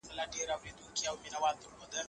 املا د الفاظو د سمو اوازونو په پېژندلو کي مرسته کوي.